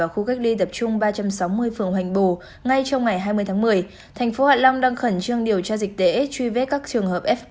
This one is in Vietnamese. hạ long đang khẩn trương điều tra dịch tễ truy vết các trường hợp f một